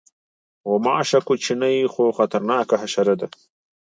غوماشه کوچنۍ خو خطرناکه حشره ده.